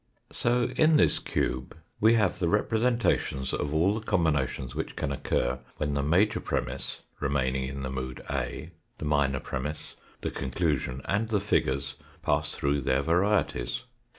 So in this cube we have the representations of all the combinations which can occur when the major premiss, remaining in the mood A, the minor premiss, the conclu sion, and the figures pass through their varieties.